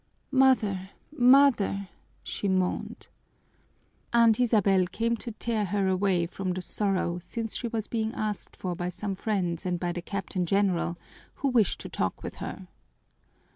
"Mother, mother!" she moaned. Aunt Isabel came to tear her away from her sorrow since she was being asked for by some friends and by the Captain General, who wished to talk with her.